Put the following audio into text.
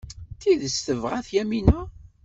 D tidet tebɣa-t Yamina?